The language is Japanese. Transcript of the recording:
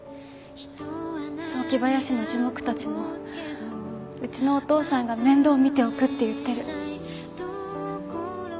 雑木林の樹木たちもうちのお父さんが面倒見ておくって言ってる。